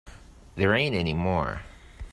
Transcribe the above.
There ain't any more.